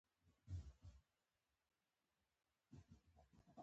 پنېر نرم یا سخت جوړېږي.